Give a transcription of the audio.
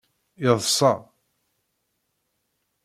Yeḍṣa.